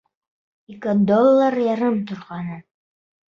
Ике доллар ярым торғанын.